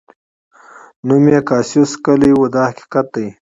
نوم یې کاسیوس کلي و دا حقیقت دی.